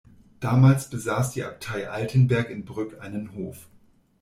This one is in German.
Damals besaß die Abtei Altenberg in Brück einen Hof.